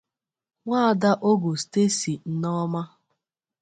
Nwaada Ogu Stacy Nneọma